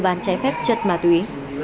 bán cháy phép chất ma túy